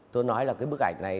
tôi nói là cái bức ảnh này